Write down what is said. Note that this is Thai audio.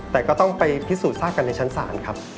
แต่ก็ต้องไปพิสูจนทราบกันในชั้นศาลครับ